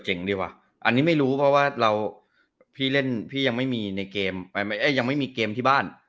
เจ๋งดีวะอันนี้ไม่รู้เพราะว่าพี่ยังไม่มีเกมที่บ้าน